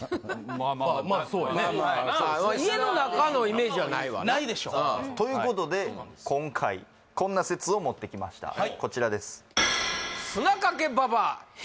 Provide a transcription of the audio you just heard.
まあそうやね家の中のイメージはないわなないでしょ？ということで今回こんな説を持ってきましたこちらです